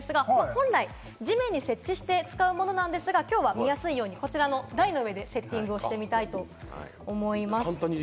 本来、地面に設置して使うものなんですが、見やすいように台の上でセッティングしたいと思います。